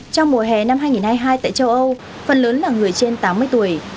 trong mùa hè năm hai nghìn hai mươi hai tại châu âu phần lớn là người trên tám mươi tuổi